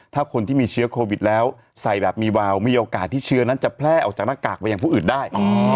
ถ้าคนที่มีเชื้อโควิดแล้วใส่แบบมีวาวมีโอกาสที่เชื้อนั้นจะแพร่ออกจากหน้ากากไปยังผู้อื่นได้